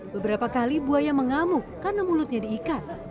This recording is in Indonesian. beberapa kali buaya mengamuk karena mulutnya diikat